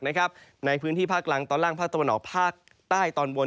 ในพื้นที่ภาคกลางตอนล่างภาคตะวันออกภาคใต้ตอนบน